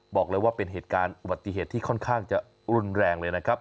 บอกเลยว่าเป็นเหตุการณ์อุบัติเหตุที่ค่อนข้างจะรุนแรงเลยนะครับ